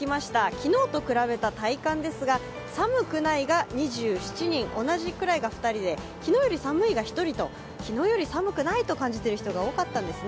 昨日と比べた体感ですが、寒くないが２７人、同じくらいが２人で、昨日より寒いが１人と昨日より寒くないと感じている人が多かったんですね。